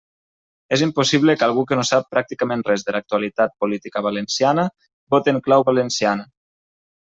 És impossible que algú que no sap pràcticament res de l'actualitat política valenciana vote en clau valenciana.